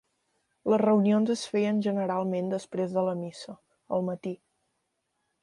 Les reunions es feien generalment després de la missa, al matí.